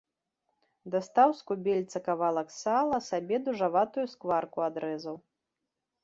Дастаў з кубельца кавалак сала, сабе дужаватую скварку адрэзаў.